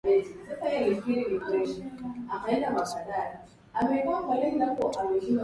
Baada ya kurejea Zanzibar mwaka elfu moja mia tisa arobaini pamoja na kuwa mtu